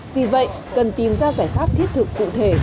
vì vậy cần tìm ra giải pháp thiết thực cụ thể